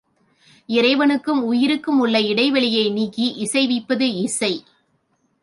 இறைவனுக்கும் உயிருக்குமுள்ள இடை வெளியை நீக்கி இசைவிப்பது இசை.